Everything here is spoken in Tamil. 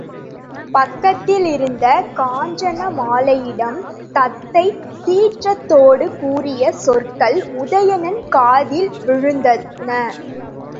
பக்கத்திலிருந்த காஞ்சனமாலையிடம் தத்தை சீற்றத்தோடு கூறிய சொற்கள் உதயணன் காதில் விழுந்தன.